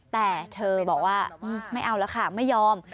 แต่เธอบอกว่าไม่เอาแล้วค่ะไม่ยอม